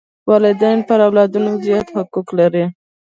والدین پر اولادونو زیات حقوق لري.